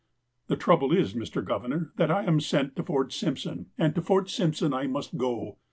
'' The trouble is, Mr. Governor, that I am sent to Fort Simpson, and to Fort Simpson I must go.